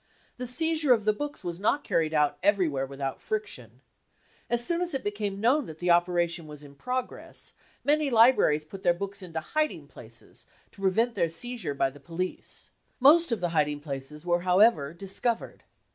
The seizure of the books was not carried out everywhere without friction. As soon as it became known that the operation was in progress, many libraries put their books into hiding places to prevent their seizure by the THE CAMPAIGN AGAINST CULTURE I I i I I7I police. Most of the hMing places were however discovered.